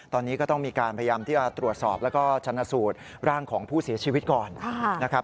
ตอนนี้ก็ต้องมีการพยายามที่จะตรวจสอบแล้วก็ชนะสูตรร่างของผู้เสียชีวิตก่อนนะครับ